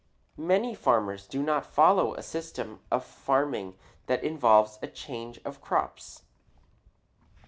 Many farmers do not follow a system of farming that involves a change of crops.